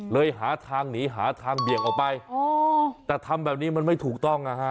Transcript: หาทางหนีหาทางเบี่ยงออกไปอ๋อแต่ทำแบบนี้มันไม่ถูกต้องนะฮะ